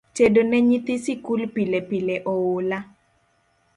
Tedo ne nyithi sikul pilepile oola